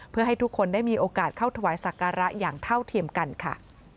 เพื่อให้ทุกคนได้มีโอกาสเข้าถวายสักการะอย่างเท่าเทียมกันค่ะ